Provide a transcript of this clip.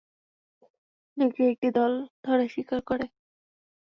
নেকড়ে একটি দল ধরে শিকার করে।